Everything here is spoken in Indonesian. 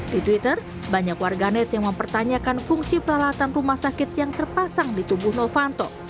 di twitter banyak warganet yang mempertanyakan fungsi peralatan rumah sakit yang terpasang di tubuh novanto